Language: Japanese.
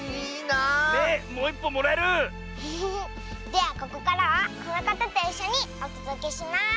ではここからはこのかたといっしょにおとどけします。